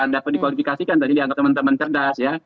dapat dikualifikasikan tadi dianggap teman teman cerdas ya